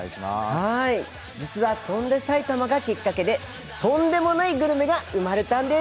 実は「翔んで埼玉」がきっかけで翔んでもないグルメが生まれたんです。